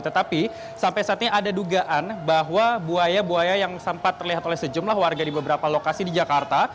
tetapi sampai saat ini ada dugaan bahwa buaya buaya yang sempat terlihat oleh sejumlah warga di beberapa lokasi di jakarta